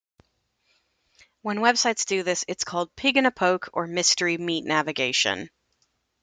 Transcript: When websites do this, it's called pig in a poke or mystery meat navigation.